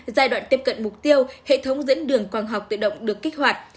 giai đoạn tiếp cận mục tiêu hệ thống dẫn đường quang học tự động được kích hoạt